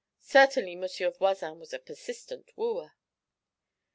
Certainly Monsieur Voisin was a persistent wooer!